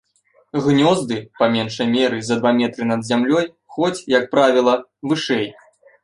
Гнёзды, па меншай меры за два метры над зямлёй, хоць, як правіла, вышэй.